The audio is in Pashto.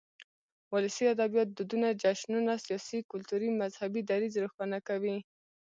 ولسي ادبيات دودنه، جشنونه ،سياسي، کلتوري ،مذهبي ، دريځ روښانه کوي.